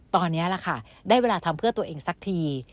ตอนนี้ล่ะค่ะได้เวลาทำเพื่อตัวเองสักที